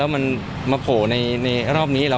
มาโขลในรอบนี้แล้ว